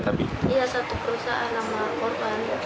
iya satu perusahaan sama korban